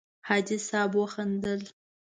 حاجي صیب وخندل.